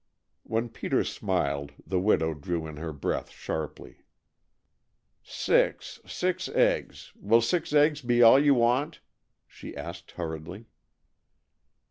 When Peter smiled the widow drew in her breath sharply. "Six six eggs will six eggs be all you want?" she asked hurriedly.